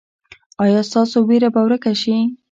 ایا ستاسو ویره به ورکه شي؟